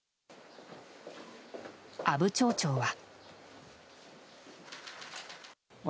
阿武町長は。